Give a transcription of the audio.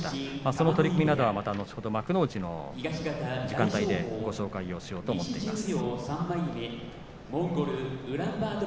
その取組などは後ほどまた幕内の時間帯にご紹介しようと思います。